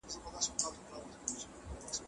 د ناروغ د وینې فشار باید وکتل شي.